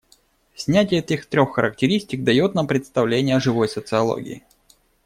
Снятие этих трех характеристик, дает нам представление о живой социологии.